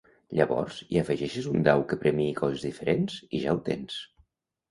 Llavors, hi afegeixes un dau que premiï coses diferents i ja ho tens.